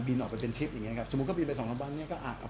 บินออกไปเป็นชิปอย่างเงี้ยครับสมมุติก็บินไปสองพันบาทเนี้ยก็อ่า